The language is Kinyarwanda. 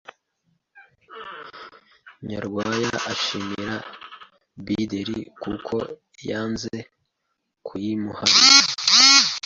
Nyarwaya ashima Bideri kuko yanze kuyimuharira